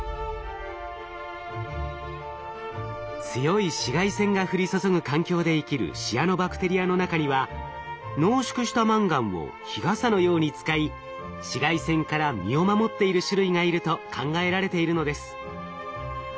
強い紫外線が降り注ぐ環境で生きるシアノバクテリアの中には濃縮したマンガンを日傘のように使い紫外線から身を守っている種類がいると考えられているのです。